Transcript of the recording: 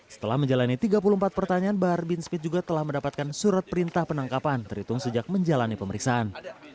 setelah menjalani tiga puluh empat pertanyaan bahar bin smith juga telah mendapatkan surat perintah penangkapan terhitung sejak menjalani pemeriksaan